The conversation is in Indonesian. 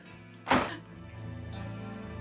saya tidak mau melihat kamu lagi